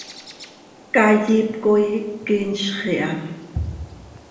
Caay iip coi quinzx iha.